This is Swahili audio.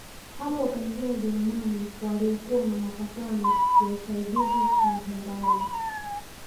Hapo wakaingia Wajerumani waliokuwa na mapatano ya usaidizi na Hungaria